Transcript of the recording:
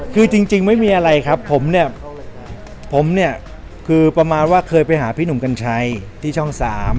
คือจริงไม่มีอะไรครับผมเนี่ยผมเนี่ยคือประมาณว่าเคยไปหาพี่หนุ่มกัญชัยที่ช่อง๓